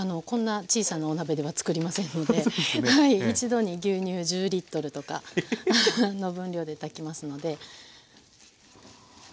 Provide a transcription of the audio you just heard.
こんな小さなお鍋では作りませんので一度に牛乳１０とかの分量で炊きますので。